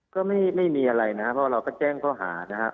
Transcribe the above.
ก็ไม่มีอะไรนะครับเพราะเราก็แจ้งข้อหานะครับ